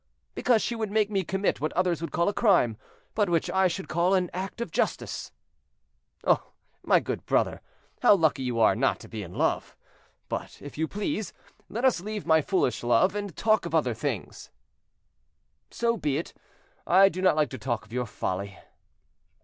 "Because she would make me commit what others would call a crime, but which I should call an act of justice." "Oh! my good brother, how lucky you are not to be in love. But, if you please, let us leave my foolish love, and talk of other things." "So be it; I do not like to talk of your folly."